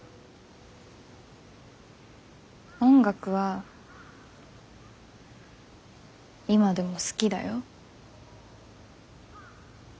音楽は今でも好きだよ。